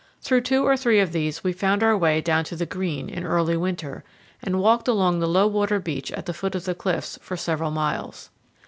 Through two or three of these we found our way down to the Green in early winter and walked along the low water beach at the foot of the cliffs for several miles.